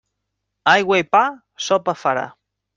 Aigua i pa, sopa farà.